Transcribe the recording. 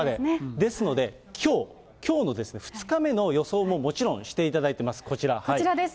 ですので、きょう、きょうの２日目の予想ももちろんしていただいてます。こちらです。